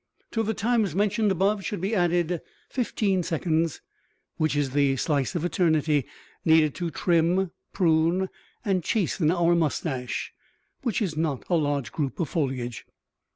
To the times mentioned above should be added fifteen seconds, which is the slice of eternity needed to trim, prune and chasten our mustache, which is not a large group of foliage.